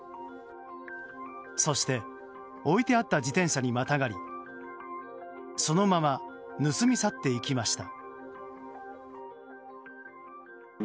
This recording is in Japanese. そして置いてあった自転車にまたがりそのまま盗み去っていきました。